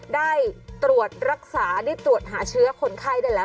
ได้ตรวจรักษาได้ตรวจหาเชื้อคนไข้ได้แล้ว